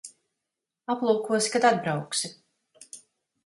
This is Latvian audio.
Aplūkosi, kad atbrauksi.